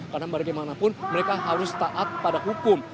karena bagaimanapun mereka harus taat pada hukum